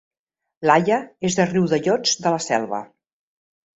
Laia és de Riudellots de la Selva